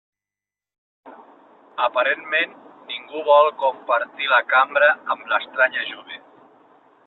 Aparentment ningú vol compartir la cambra amb l'estranya jove.